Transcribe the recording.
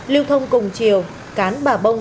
lưu thông cùng chiều cán bà bông